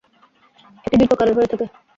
এটি দুই প্রকারের হয়ে থাকে।